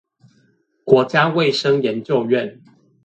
國家衛生研究院